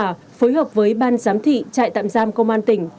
và phối hợp với ban giám thị trại tạm giam công an tỉnh